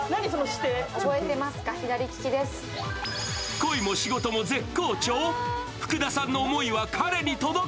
恋も仕事も絶好調？